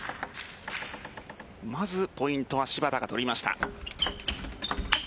まずポイントは芝田が取りました。